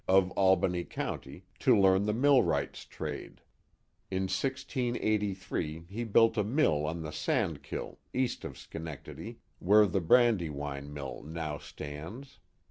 of Albany County, to learn the millwright's trade. In 1683 he built a mill on the Sand kil, east of Schenectady, where the Brandywine mill now stands.